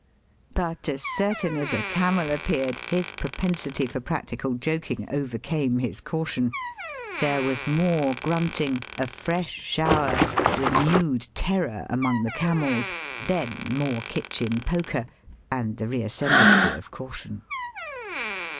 But as certain as a camel ap* peared his propensity for practical joking over came his caution. There was more grunting, a fresh shower, renewed terror among the Digitized by VjOOQIC 318 EAST BY WEST. camels, then more kitchen poker, and the reascendancy of caution.